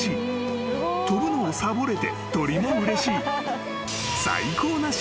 ［飛ぶのをサボれて鳥もうれしい］